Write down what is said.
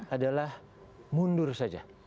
adalah mundur saja